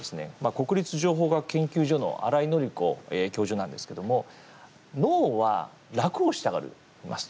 国立情報学研究所の新井紀子教授なんですけども脳は楽をしたがります、と。